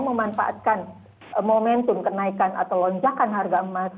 memanfaatkan momentum kenaikan atau lonjakan harga emas